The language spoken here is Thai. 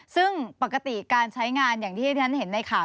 ซึ่งปกติการใช้งานอย่างที่ฉันเห็นในข่าว